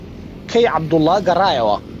کەی عەبدوڵڵا گەڕایەوە؟